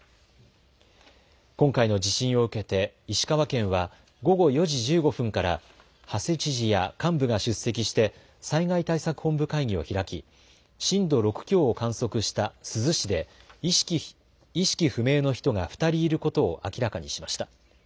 今回の地震を受けて石川県は午後４時１５分から馳知事や幹部が出席して災害対策本部会議を開き震度６強を観測した珠洲市で意識不明の人が２人いることを明らかにしました。